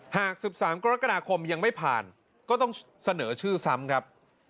หาก๑๓กรกฎาคมยังไม่ผ่านก็ต้องเสนอชื่อซ้ำครับ